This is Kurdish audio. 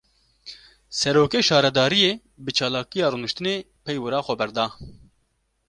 Serokê şaredariyê, bi çalakiya rûniştinê peywira xwe berda